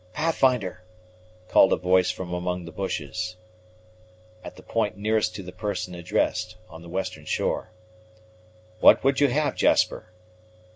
"Pathfinder," called a voice from among the bushes, at the point nearest to the person addressed, on the western shore. "What would you have, Jasper?"